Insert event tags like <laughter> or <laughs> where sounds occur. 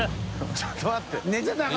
ちょっと待って <laughs>